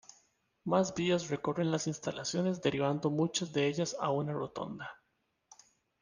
Más vías recorren las instalaciones derivando muchas de ellas a una rotonda.